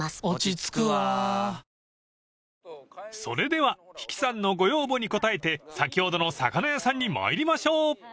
［それでは比企さんのご要望に応えて先ほどの魚屋さんに参りましょう！］